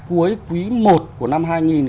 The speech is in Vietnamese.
cuối quý một của năm hai nghìn hai mươi bốn